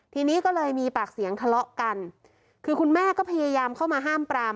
ทีนี้ก็เลยมีปากเสียงทะเลาะกันคือคุณแม่ก็พยายามเข้ามาห้ามปราม